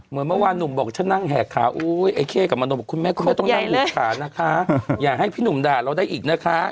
เหมือนเมื่อวานหนุ่มบอกฉันนั่งแหกขาอุ้ยไอ้เข้กับมโนบอกคุณแม่คุณแม่ต้องนั่งผูกขานะคะอย่าให้พี่หนุ่มด่าเราได้อีกนะคะ